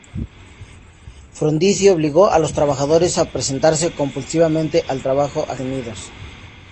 Frondizi obligó a los trabajadores a presentarse compulsivamente al trabajo o quedar detenidos.